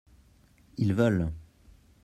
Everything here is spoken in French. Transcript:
ils veulent.